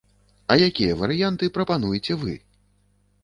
А якія варыянты прапануеце вы?